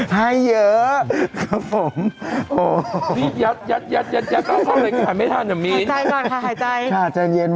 ให้เยอะครับผม